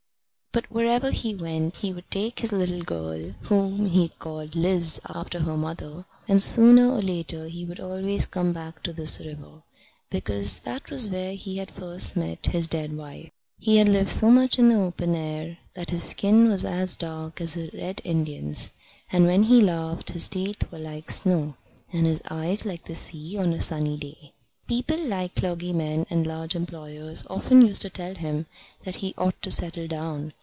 But wherever he went he would take his little girl, whom he had called Liz after her mother; and sooner or later he would always come back to this river, because that was where he had first met his dead wife. He had lived so much in the open air that his skin was as dark as a Red Indian's, and when he laughed his teeth were like snow, and his eyes like the sea on a sunny day. People like clergymen and large employers often used to tell him that he ought to settle down.